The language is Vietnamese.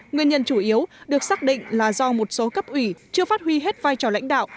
nguyên nhân chủ yếu được xác định là do một số cấp ủy chưa phát huy hết vai trò lãnh đạo